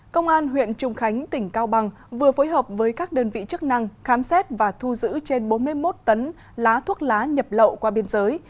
công an huyện trung khánh tỉnh cao bằng vừa phối hợp với các đơn vị chức năng khám xét và thu giữ trên bốn mươi một tấn lá thuốc lá nhập lậu qua biên giới